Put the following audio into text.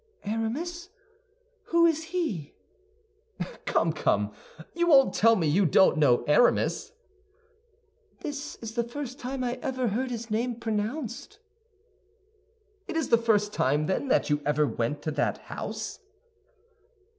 "Aramis! Who is he?" "Come, come, you won't tell me you don't know Aramis?" "This is the first time I ever heard his name pronounced." "It is the first time, then, that you ever went to that house?"